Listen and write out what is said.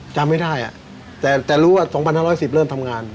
จำไม่ได้แต่รู้ว่า๒๕๑๐เริ่มทำงาน